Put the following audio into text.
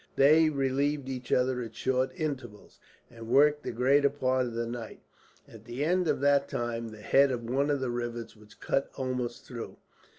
They relieved each other at short intervals, and worked the greater part of the night. At the end of that time the head of one of the rivets was cut almost through.